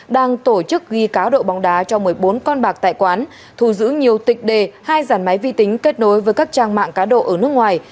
đang tổ chức ghi cá độ bóng đá cho một mươi bốn con bạc tại quán thù giữ nhiều tịch đề hai giàn máy vi tính kết nối với các trang mạng cá độ ở nước ngoài